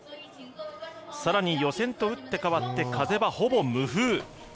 更に予選と打って変わって、風はほぼ無風。